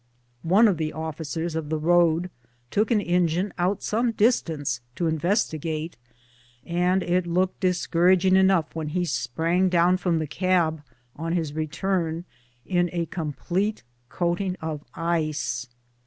One of the officers of the road took an engine out some distance to investigate, and it looked discouraging enough when he sprang down from the cab on his re turn in a complete coating of ice.